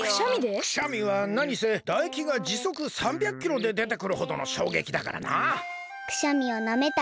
くしゃみはなにせだえきがじそく３００キロででてくるほどのしょうげきだからな。